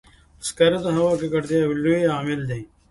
سکاره د هوا د ککړتیا یو لوی عامل دی.